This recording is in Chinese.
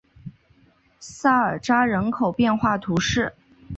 萨尔扎人口变化图示